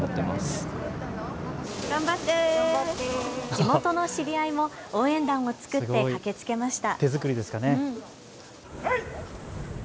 地元の知り合いも応援団を作って駆けつけました。